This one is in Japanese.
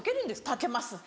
炊けます